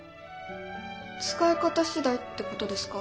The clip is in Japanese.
使い方次第ってことですか？